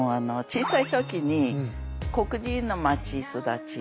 小さいときに黒人の街育ち。